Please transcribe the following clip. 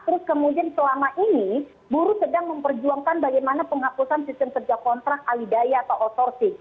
terus kemudian selama ini buruh sedang memperjuangkan bagaimana penghapusan sistem kerja kontrak alidaya atau outsourcing